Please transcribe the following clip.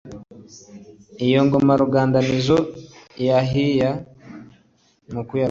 iyi ngoma, rukandamizo yayiha mukuya-ruge